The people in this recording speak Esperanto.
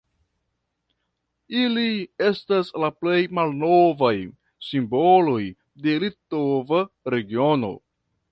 Ili estas la plej malnovaj simboloj de litova regiono.